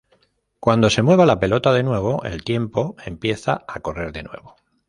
Cuándo se mueva la pelota de nuevo, el tiempo empieza a correr de nuevo.